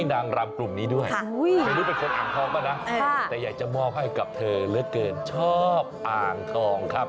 นานเขาจะมาลำซักทีเราก็ดู